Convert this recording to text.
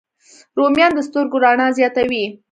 رومیان د سترګو رڼا زیاتوي